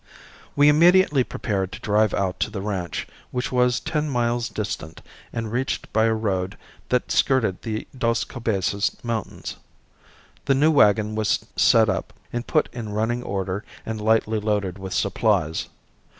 We immediately prepared to drive out to the ranch, which was ten miles distant and reached by a road that skirted the Dos Cabezas mountains. The new wagon was set up and put in running order and lightly loaded with supplies.